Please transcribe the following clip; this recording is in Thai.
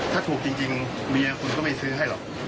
ถ้าถูกจริงเมียคุณก็ไม่ซื้อให้หรอก